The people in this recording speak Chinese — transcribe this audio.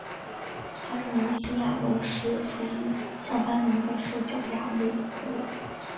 他认为新牙龙是属于像斑龙的兽脚亚目恐龙。